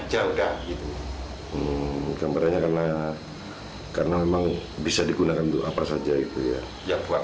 jauh gak gitu gambarnya karena karena memang bisa digunakan untuk apa saja itu ya ya buat